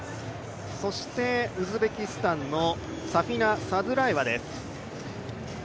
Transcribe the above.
そして、ウズベキスタンのサフィナ・サドゥラエワです。